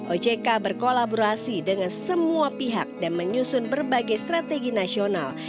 ojk berkolaborasi dengan semua pihak dan menyusun berbagai strategi nasional